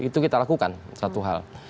itu kita lakukan satu hal